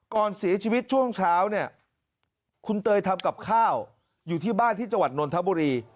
ก่อนเสียชีวิตช่วงเช้าเนี่ยคุณเตยทำกับข้าวอยู่ที่บ้านที่จังหวัดนนทบุรี